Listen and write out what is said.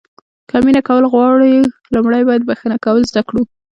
که مینه کول غواړو لومړی باید بښنه کول زده کړو.